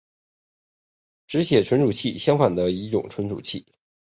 只写存储器相反的一种存储器。